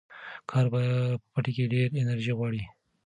کار په پټي کې ډېره انرژي غواړي.